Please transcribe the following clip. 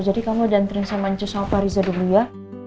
jadi kamu dantrin sama cucawpa riza dulu ya